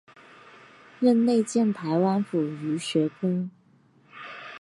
任内建台湾府儒学宫。